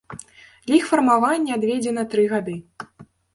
Для іх фармавання адведзена тры гады.